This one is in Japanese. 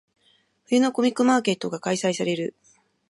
冬のコミックマーケットが開催される。